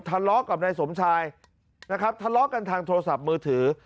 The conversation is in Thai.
ทะเลาะกับนายสมชายนะครับทะเลาะกันทางโทรศัพท์มือถือ